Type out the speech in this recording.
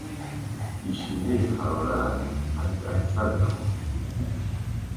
بیشینهی حرارت، حداکثر دما